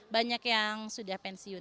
banyak yang sudah pensiun